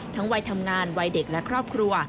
วัยทำงานวัยเด็กและครอบครัว